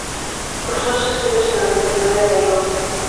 Cursó sus estudios en la Universidad de Nairobi.